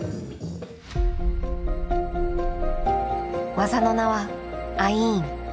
技の名は「アイーン」。